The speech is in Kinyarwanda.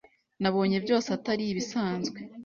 nabonye byose Atari ibisanzwe